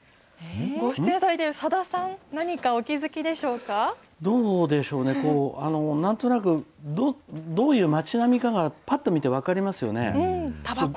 ご出演されてるさださん、どうでしょうね、なんとなく、どういう町並みかがぱっと見て分かりますよね。